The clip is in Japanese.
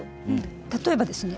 例えばですね